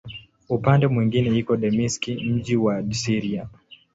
Upande mwingine iko Dameski, mji mkuu wa Syria.